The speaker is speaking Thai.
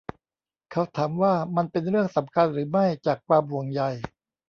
เขาถามว่ามันเป็นเรื่องสำคัญหรือไม่จากความห่วงใย.